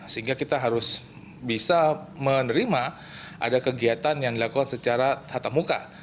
sehingga kita harus bisa menerima ada kegiatan yang dilakukan secara tatap muka